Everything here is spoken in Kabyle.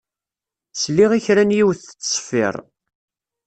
Sliɣ i kra n yiwet tettṣeffiṛ.